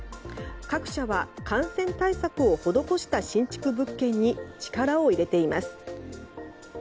各社は感染対策を施した新築物件に力を入れています。